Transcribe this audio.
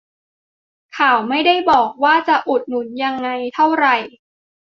ข่าวไม่ได้บอกว่าจะอุดหนุนยังไงเท่าไร